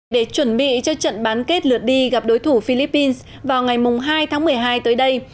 để chuẩn bị cho trận bán kết lượt đi gặp đối thủ philippines vào ngày hai tháng một mươi hai tới đây